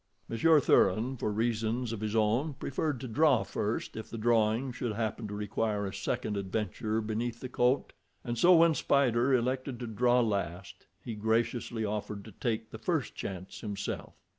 Monsieur Thuran, for reasons of his own, preferred to draw first if the drawing should happen to require a second adventure beneath the coat. And so when Spider elected to draw last he graciously offered to take the first chance himself.